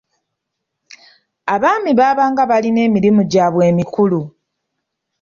Abaami baabanga balina emirimu gyabwe emikulu.